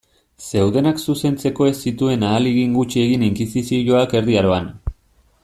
Zeudenak zuzentzeko ez zituen ahalegin gutxi egin inkisizioak Erdi Aroan.